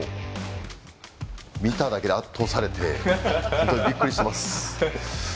見ただけで圧倒されてびっくりしてます。